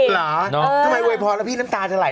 เหรอทำไมโวยพรแล้วพี่น้ำตาจะไหล